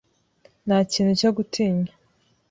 Nta kintu cyo gutinya.